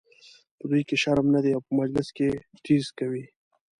په دوی کې شرم نه دی او په مجلس کې ټیز کوي.